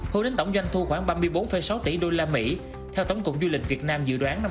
hư đến tổng doanh thu khoảng ba mươi bốn sáu tỷ usd theo tổng cục du lịch việt nam dự đoán năm hai nghìn hai mươi